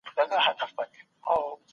نو آنلاین درس په ارامۍ لیدلی سې.